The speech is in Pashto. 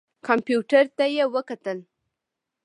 کمپیوټر ته یې وکتل.